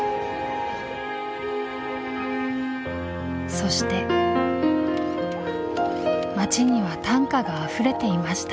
そして街には短歌があふれていました。